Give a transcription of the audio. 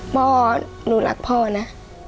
พ่อหนูรักพ่อนะ